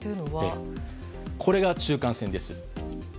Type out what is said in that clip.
これが中間線です。